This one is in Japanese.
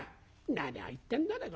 「何を言ってんだね